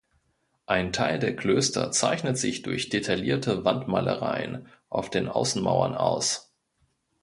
Ein Teil der Klöster zeichnet sich durch detaillierte Wandmalereien auf den Außenmauern aus.